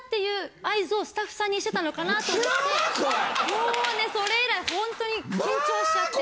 もうねそれ以来ほんとに緊張しちゃって。